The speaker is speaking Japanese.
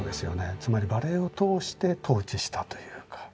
つまりバレエを通して統治したというか。